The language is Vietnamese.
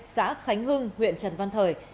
xã khánh hưng huyện trần văn thời